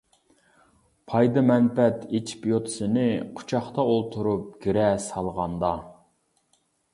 پايدا-مەنپەئەت ئېچىپ يوتىسىنى، قۇچاقتا ئولتۇرۇپ گىرە سالغاندا.